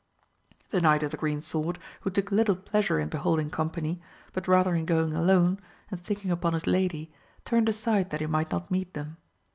The Knight of the Green Sword, who took little pleasure in beholding company, but rather in going alone, and thinking upon his lady, turned aside that he might not meet them.